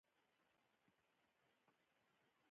ازادي راډیو د اداري فساد په اړه د مخکښو شخصیتونو خبرې خپرې کړي.